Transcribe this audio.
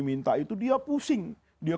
minta itu dia pusing dia